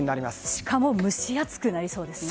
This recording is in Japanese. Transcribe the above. しかも蒸し暑くなりそうですね。